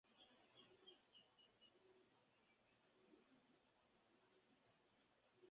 Discutían sobre todo de literatura, periodismo, cine y pintura.